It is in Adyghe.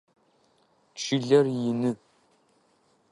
Чылэр ины.